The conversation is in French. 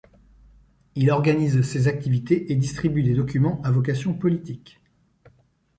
Il organise ses activités et distribue des documents à vocation politique.